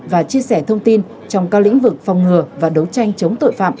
và chia sẻ thông tin trong các lĩnh vực phòng ngừa và đấu tranh chống tội phạm